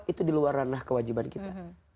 itu diluar ranah kewajiban kita